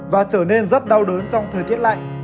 và trở nên rất đau đớn trong thời tiết lạnh